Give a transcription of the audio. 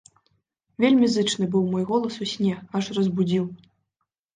Вельмі зычны быў голас мой у сне, аж разбудзіў.